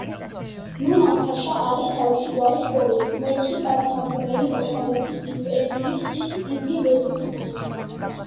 ნუმან-ფაშა არის თავისი გვარის ბოლო, მეექვსე წარმომადგენელი ოსმალეთის იმპერიის დიდი ვეზირის პოსტზე.